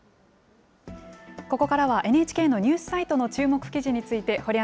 ここからはＮＨＫのニュースサイトの注目記事について、堀ア